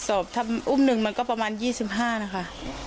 ถ้าเป็นกระสอบถ้าอุ้มหนึ่งมันก็ประมาณ๒๕นะคะ